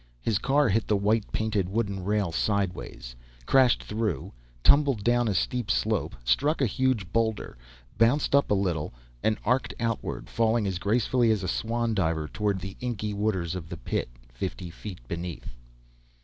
His car hit the white painted wooden rail sideways, crashed through, tumbled down a steep slope, struck a huge boulder, bounced up a little, and arced outward, falling as gracefully as a swan diver toward the inky waters of the Pit, fifty feet beneath....